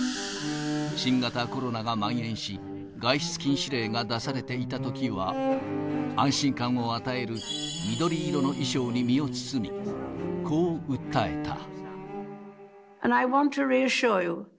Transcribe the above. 新型コロナがまん延し、外出禁止令が出されていたときは、安心感を与える緑色の衣装に身を包み、こう訴えた。